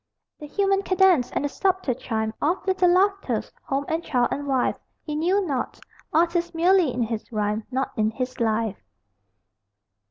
The human cadence and the subtle chime Of little laughters, home and child and wife, He knew not. Artist merely in his rhyme, Not in his life.